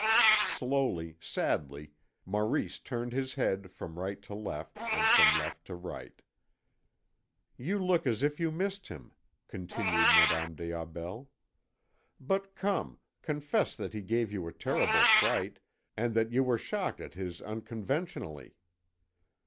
Slowly, sadly, Maurice turned his head from right to left, and from left to right. "You look as if you missed him," continued Madame des Aubels. "But come, confess that he gave you a terrible fright, and that you were shocked at his unconventionally."